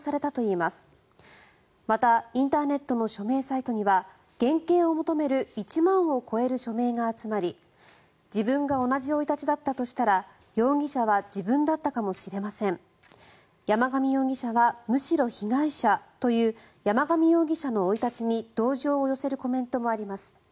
またインターネットの署名サイトには減刑を求める１万を超える署名が集まり自分が同じ生い立ちだったとしたら容疑者は自分だったかもしれません山上容疑者はむしろ被害者という山上容疑者の生い立ちに同情を寄せるコメントもあります。